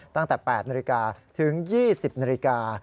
ตั้งแต่๘นาฬิกาถึง๒๐นาฬิกา